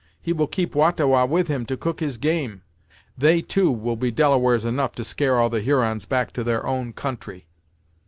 He will keep Wah ta Wah with him to cook his game; they two will be Delawares enough to scare all the Hurons back to their own country."